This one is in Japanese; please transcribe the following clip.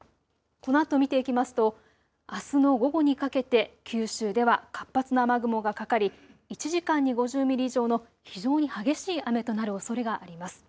このあとを見ていきますとあすの午後にかけて九州では活発な雨雲がかかり１時間に５０ミリ以上の非常に激しい雨となるおそれがあります。